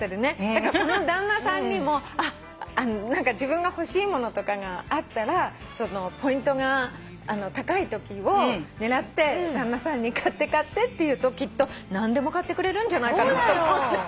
だからこの旦那さんにも自分が欲しい物とかがあったらポイントが高いときを狙って旦那さんに「買って買って」って言うときっと何でも買ってくれるんじゃないかなと。